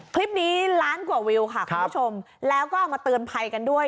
คลิปนี้ล้านกว่าวิวค่ะคุณผู้ชมแล้วก็เอามาเตือนภัยกันด้วย